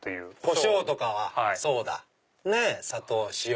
コショウとかそうだ砂糖塩！